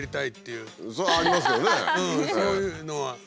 うんそういうのは。